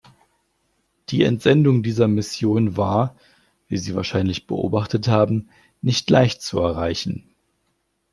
Die Entsendung dieser Mission war, wie Sie wahrscheinlich beobachtet haben, nicht leicht zu erreichen.